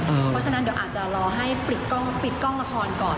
เพราะฉะนั้นเดี๋ยวอาจจะรอให้ปิดกล้องละครก่อน